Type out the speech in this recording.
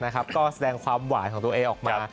ก็แสดงความหวานของตัวเองออกมา